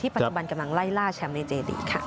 ปัจจุบันกำลังไล่ล่าแชมป์ในเจดีค่ะ